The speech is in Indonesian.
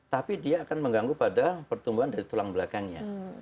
tapi dia akan mengganggu pada pertumbuhan dari tulang belakangnya